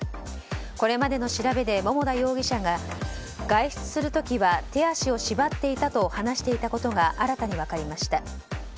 これまでの調べで桃田容疑者が外出する時は手足を縛っていたと話していたことが新たに分かりました。